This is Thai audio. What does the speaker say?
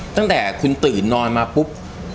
ตั้งแต่คุณตื่นนอนมาปุ๊บ